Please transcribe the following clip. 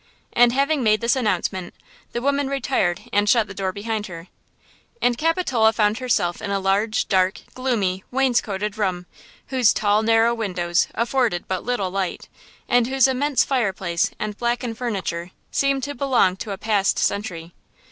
And having made this announcement, the woman retired and shut the door behind her. And Capitola found herself in a large, dark, gloomy, wainscoted room, whose tall, narrow windows afforded but little light, and whose immense fireplace and blackened furniture seemed to belong to a past century.